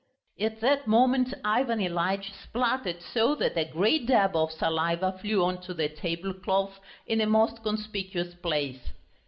At that moment Ivan Ilyitch spluttered so that a great dab of saliva flew on to the tablecloth in a most conspicuous place.